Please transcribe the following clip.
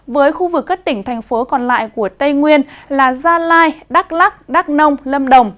với khu vực các tỉnh thành phố còn lại của tây nguyên là gia lai đắk lắc đắk nông lâm đồng